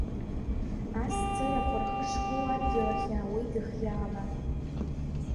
Ас цырақәа рхы шхоу адгьыл ахь иаауеит ихиаала.